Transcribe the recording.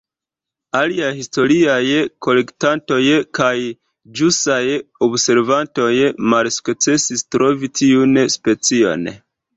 Aliaj historiaj kolektantoj kaj ĵusaj observantoj malsukcesis trovi tiun specion.